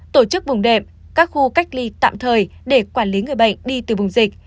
tổ chức vùng đệm các khu cách ly tạm thời để quản lý người bệnh đi từ vùng dịch